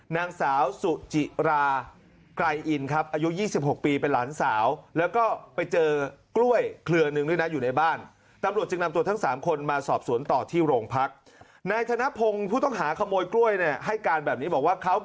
นางสาวสุจิรากรายอินทร์ครับอายุ๒๖ปีเป็นหลานสาว